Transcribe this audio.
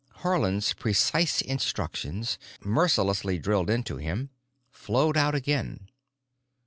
Haarland's precise instructions, mercilessly drilled into him, flowed out again.